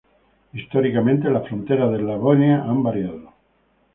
Históricamente, las fronteras de Eslavonia han variado.